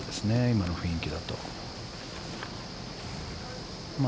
今の雰囲気だと。